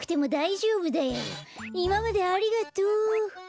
いままでありがとう。